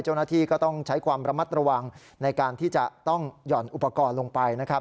เจ้าหน้าที่ก็ต้องใช้ความระมัดระวังในการที่จะต้องหย่อนอุปกรณ์ลงไปนะครับ